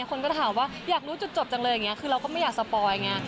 คนก็ถามว่าอยากรู้จุดจบจังเลยอย่างนี้คือเราก็ไม่อยากสปอยไง